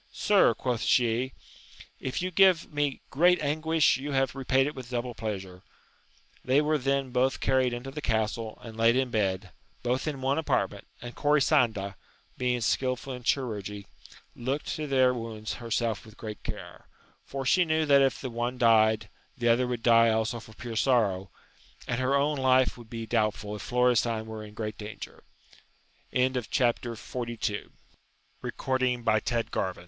Sir, quoth she, if you gave me great anguish you have repaid it with double pleasure. They were then both carried into the castle and laid in bed, both in one apartment, and Corisanda, being skilful in chirurgery, looked to their wounds herself with great care ; for she knew that if the one died, the other would die also for pure sorrow, and her own life would be doubtful if Florestan were in gr